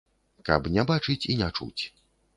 Каб не бачыць і не чуць.